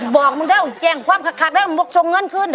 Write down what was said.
บอกมึงได้อุ้ยเจียงความคักได้มึงบกชงเงินขึ้นเหรอ